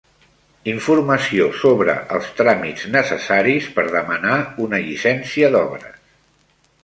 Informació sobre els tràmits necessaris per demanar una llicència d'obres.